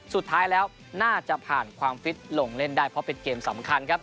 สุดท้ายแล้วน่าจะผ่านความฟิตลงเล่นได้เพราะเป็นเกมสำคัญครับ